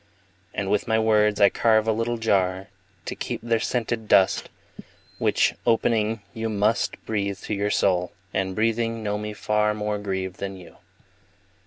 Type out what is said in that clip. And with my words I carve a little jar To keep their scented dust, Which, opening, you must Breathe to your soul, and, breathing, know me far More grieved than you.